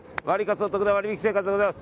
おトクな割引生活でございます。